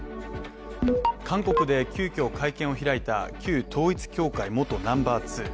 韓国で急きょ会見を開いた旧統一教会、元ナンバー２。